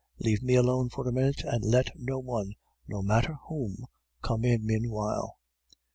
Leave me alone for a minute, and let no one no matter whom come in meanwhile.